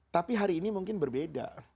tapi hari ini mungkin berbeda